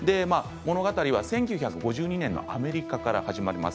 物語は１９５２年のアメリカから始まります。